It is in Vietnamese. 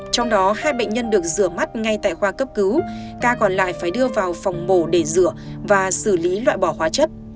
trong đó hai bệnh nhân được rửa mắt ngay tại khoa cấp cứu ca còn lại phải đưa vào phòng mổ để rửa và xử lý loại bỏ hóa chất